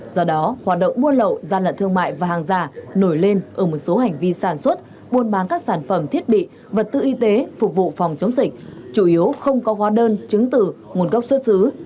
do đó hoạt động buôn lậu gian lận thương mại và hàng giả nổi lên ở một số hành vi sản xuất buôn bán các sản phẩm thiết bị vật tư y tế phục vụ phòng chống dịch chủ yếu không có hóa đơn chứng từ nguồn gốc xuất xứ